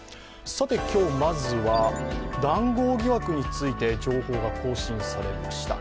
今日、まずは談合疑惑について情報が更新されました。